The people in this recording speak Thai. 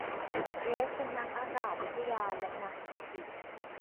เจฟฟ์เป็นนักอากาศวิทยาและนักสถิติ